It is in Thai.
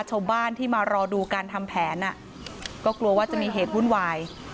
ชาวบ้านที่มารอดูการทำแผนก็กลัวว่าจะมีเหตุวุ่นวาย